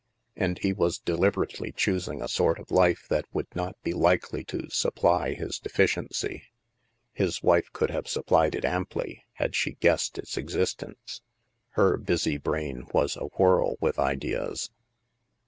And he was deliberately w choosing a sort of life that would not be likely to supply his deficiency. His wife could have supplied it amply, had she guessed its existence. Her busy brain was awhirl with ideas.